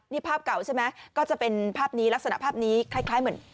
นี่ภาพเก่าใช่ไหมก็จะเป็นภาพนี้ลักษณะภาพนี้คล้ายเหมือน